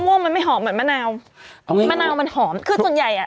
ม่วงมันไม่หอมเหมือนมะนาวมะนาวมันหอมคือส่วนใหญ่อ่ะ